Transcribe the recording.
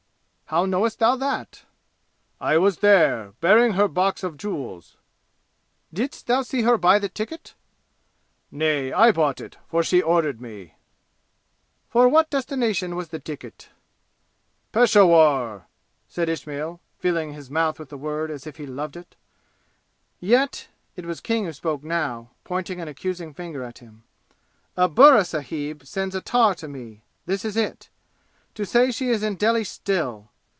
"How knowest thou that?" "I was there, bearing her box of jewels." "Didst thou see her buy the tikkut?" "Nay, I bought it, for she ordered me." "For what destination was the tikkut?" "Peshawur!" said Ismail, filling his mouth with the word as if he loved it. "Yet" it was King who spoke now, pointing an accusing finger at him "a burra sahib sends a tar to me this is it! to say she is in Delhi still!